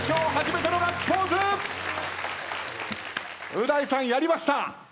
う大さんやりました！